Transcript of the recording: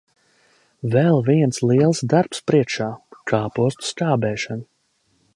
Vēl viens liels darbs priekšā - kāpostu skābēšana.